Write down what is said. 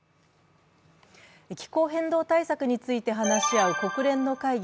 気候変動対策について話し合う国連の会議